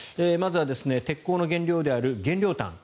まずは鉄鋼の原料である原料炭